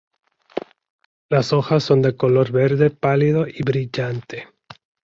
Las hojas son de color verde pálido y brillante.